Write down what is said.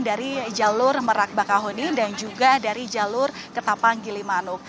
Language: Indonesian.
dari jalur merak bakahuni dan juga dari jalur ketapang gilimanuk